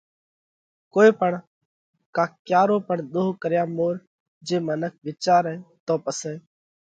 ڪوئي پڻ ڪا ڪيا رو پڻ ۮوه ڪريا مور جي منک وِيچارئہ تو پسئہ